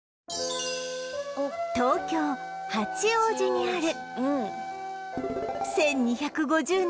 東京八王子にある